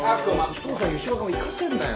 お父さんに後ろ側行かせんなよ